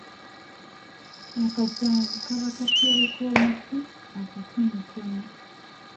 Akasanvu kaba katabi k’omuti akatonotono.